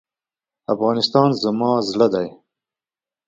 افغانستان زما زړه دی.